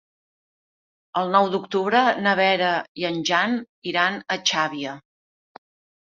El nou d'octubre na Vera i en Jan iran a Xàbia.